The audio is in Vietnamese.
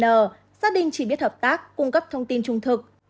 gia đình chỉ biết hợp tác cung cấp thông tin trung thực